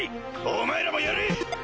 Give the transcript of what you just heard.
お前らもやれ！